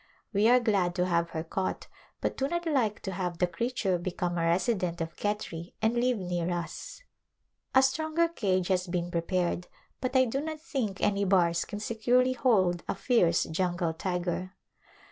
We are glad to have her caught but do not like to have the creature become a resident of Khetri, and live near us. A stronger cage has been prepared, but I do not think any bars can securely hold a fierce jungle tiger.